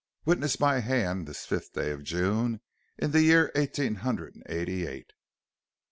"Witness my hand this fifth day of June, in the year eighteen hundred and eighty eight.